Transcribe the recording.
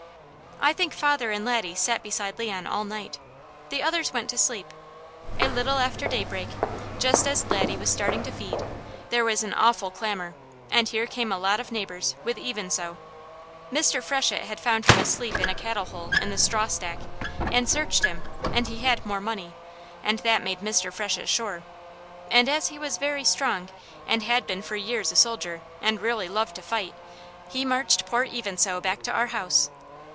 I think father and Laddie sat beside Leon all night. The others went to sleep. A little after daybreak, just as Laddie was starting to feed, there was an awful clamour, and here came a lot of neighbours with Even So. Mr. Freshett had found him asleep in a cattle hole in the straw stack, and searched him, and he had more money, and that made Mr. Freshett sure; and as he was very strong, and had been for years a soldier, and really loved to fight, he marched poor Even So back to our house.